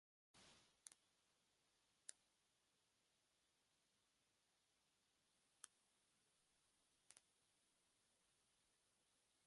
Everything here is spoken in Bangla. মাদ্রাসাটি বাংলাদেশ মাদ্রাসা শিক্ষাবোর্ডের অধীনে পরিচালিত।